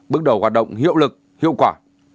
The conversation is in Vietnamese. bước đầu hoạt động hiệu lực hiệu quả